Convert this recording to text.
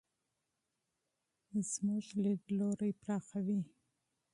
زموږ لیدلوری پراخوي.